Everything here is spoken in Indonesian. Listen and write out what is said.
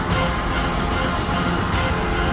dan kau tidak berhasil